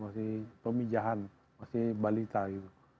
masih rumi jahan masih balita gitu